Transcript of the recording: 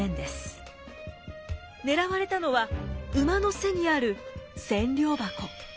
狙われたのは馬の背にある千両箱。